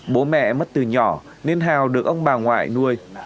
bố mẹ mất từ nhỏ nên hào được ông bà ngoại nuôi